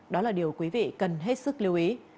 đó là điều quý vị cần hết sức lưu ý